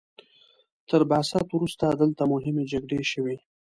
تر بعثت وروسته دلته مهمې جګړې شوي.